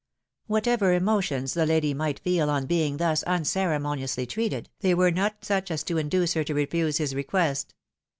Whatever emotions the lady might feel on being thus uncere moniously treated, they were not such as to induce her ' to refuse his request.